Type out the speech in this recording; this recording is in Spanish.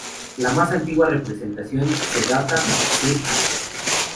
La más antigua representación se data ca.